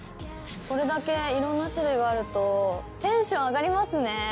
これだけいろんな種類があるとテンション上がりますね。